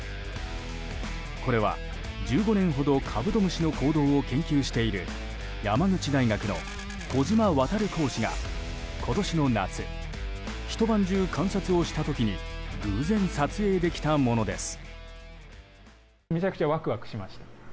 これは１５年ほどカブトムシの行動を研究している山口大学の小島渉講師が今年の夏、一晩中観察をした時に偶然撮影できたものです。